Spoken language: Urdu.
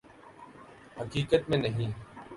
حقیقت میں نہیں